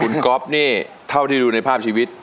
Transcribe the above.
คุณก๊อฟนี่เท่าที่ดูในภาพชีวิต